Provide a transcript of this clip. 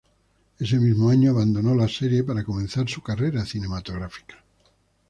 Ese mismo año abandonó la serie para comenzar su carrera cinematográfica.